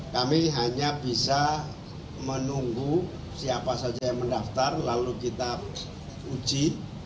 kami hanya bisa menunggu siapa saja yang mendaftar lalu kita uji